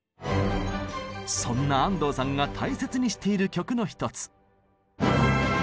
そんな安藤さんが大切にしている曲の一つ。